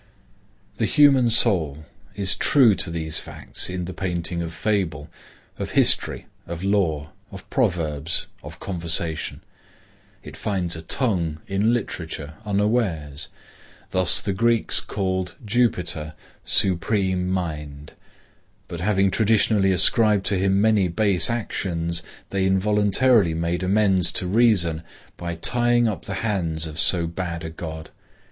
The human soul is true to these facts in the painting of fable, of history, of law, of proverbs, of conversation. It finds a tongue in literature unawares. Thus the Greeks called Jupiter, Supreme Mind; but having traditionally ascribed to him many base actions, they involuntarily made amends to reason by tying up the hands of so bad a god.